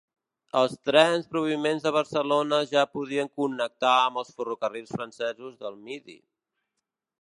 Els trens provinents de Barcelona ja podien connectar amb els ferrocarrils francesos del Midi.